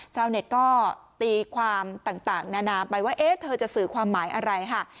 ชาวเน็ตก็ตีความต่างนานาไปว่าเอ๊ะเธอจะสื่อความหมายอะไรค่ะ